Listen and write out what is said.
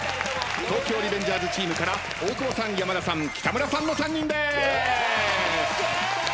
東京リベンジャーズチームから大久保さん山田さん北村さんの３人でーす。